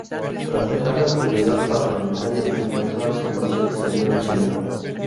Tras dejar la actividad parlamentaria, ingresó al servicio exterior chileno.